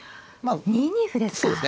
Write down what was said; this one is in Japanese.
２二歩ですか。